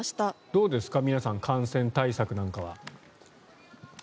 どうですか皆さん、感染対策なんかは。